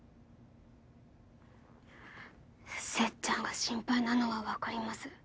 せっちゃんが心配なのは分かります。